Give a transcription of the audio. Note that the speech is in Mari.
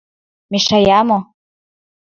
Мешая мо?..